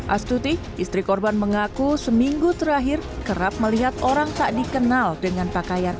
astuti istri korban mengaku seminggu terakhir kerap melihat orang tak dikenal dengan pakaian